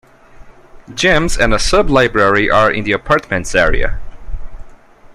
Gyms and a sub-library are in the apartments area.